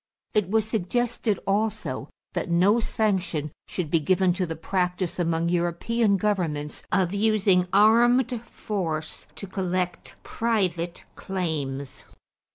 It was suggested also that no sanction should be given to the practice among European governments of using armed force to collect private claims.